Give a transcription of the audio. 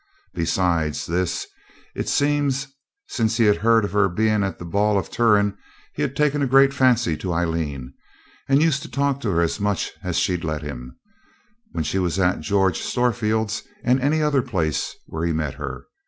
Besides this, it seems since he'd heard of her being at the ball at Turon he'd taken a great fancy to Aileen, and used to talk to her as much as she'd let him, when she was at George Storefield's and any other place where he met her.